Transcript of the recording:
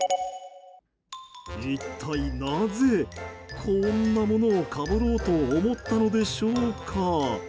一体なぜ、こんなものをかぶろうと思ったのでしょうか？